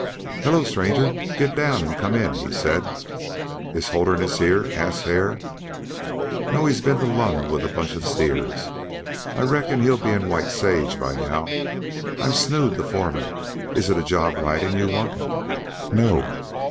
"Hello, stranger, get down an' come in," he said. "Is Holderness here?" asked Hare. "No. He's been to Lund with a bunch of steers. I reckon he'll be in White Sage by now. I'm Snood, the foreman. Is it a job ridin' you want?" "No."